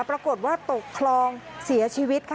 ปรากฏว่าตกคลองเสียชีวิตค่ะ